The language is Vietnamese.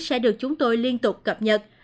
sẽ được chúng tôi liên tục cập nhật